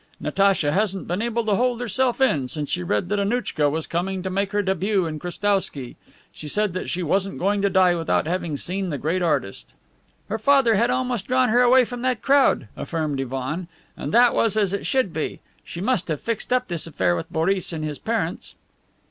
Natacha hasn't been able to hold herself in since she read that Annouchka was going to make her debut at Krestowsky. She said she wasn't going to die without having seen the great artist." "Her father had almost drawn her away from that crowd," affirmed Ivan, "and that was as it should be. She must have fixed up this affair with Boris and his parents."